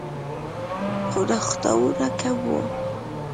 خو نوښتونه کم وو